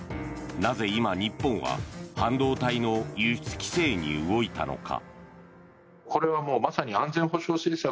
なぜ今、日本は半導体の輸出規制に動いたのか？